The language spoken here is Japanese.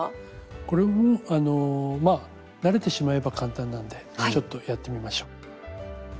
これもあのまあ慣れてしまえば簡単なんでちょっとやってみましょう。